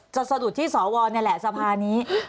จะสะดุดที่สอวอเนี่ยแหละสะพานี้